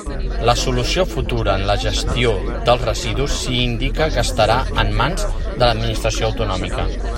La solució futura en la gestió dels residus s'hi indica que estarà en mans de l'administració autonòmica.